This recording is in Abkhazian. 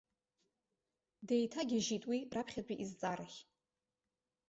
Деиҭагьежьит уи, раԥхьатәи изҵаарахь.